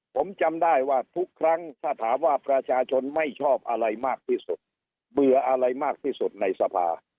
ผมจำได้ว่าทุกครั้งถ้าถามว่าประชาชนไม่ชอบอะไรมากที่สุดเบื่ออะไรมากที่สุดในสภา